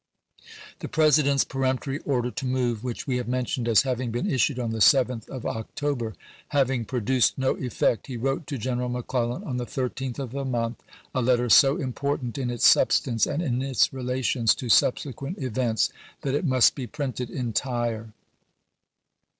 The President's peremptory order to move, which we have mentioned as having been issued on the 7th of October, having produced no effect, he wrote isea. to General McClellan on the 13th of the month a letter so important in its substance and in its rela tions to subsequent events that it must be printed entire.